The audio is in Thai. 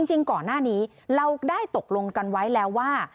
จริงก่อนหน้านี้เราได้ตกลงกันไว้แล้วว่า